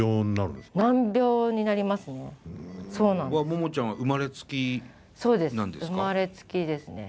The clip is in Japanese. モモちゃんは生まれつきなんですか？